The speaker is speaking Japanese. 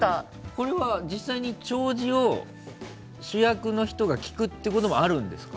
これは実際に弔辞を主役の人が聞くってこともあるんですか？